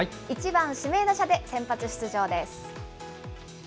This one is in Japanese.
１番指名打者で先発出場です。